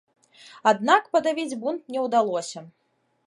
Аднак падавіць бунт не ўдалося.